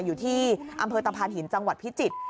อยู่ที่อำเภอตะพานหินจังหวัดพิจิตร